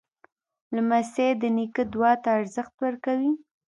لمسی د نیکه دعا ته ارزښت ورکوي.